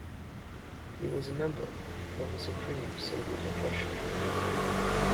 He was a member of the Supreme Soviet of Russia.